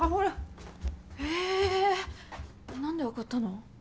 何で分かったの？